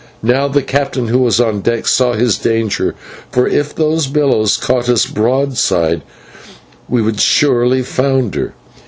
Now the captain, who was on deck, saw his danger, for if those billows caught us broadside on we must surely founder.